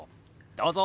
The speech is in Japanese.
どうぞ！